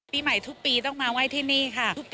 ปีใหม่ทุกปีต้องมาไหว้ที่นี่ค่ะ